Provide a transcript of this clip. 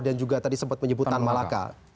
dan juga tadi sempat menyebut tan melaka